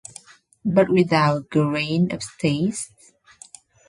But without a grain of taste.